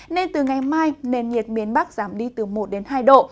nên từ ngày mai nền nhiệt miền bắc giảm đi từ một đến hai độ